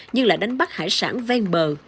nhưng lại đánh bắt hải sản ven bờ